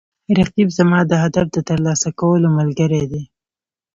رقیب زما د هدف د ترلاسه کولو ملګری دی